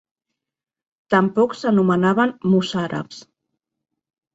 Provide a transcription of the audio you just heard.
Tampoc s'anomenaven "Mozarabs".